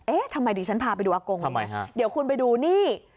ทำไมดิฉันพาไปดูอากงทำไมฮะเดี๋ยวคุณไปดูนี่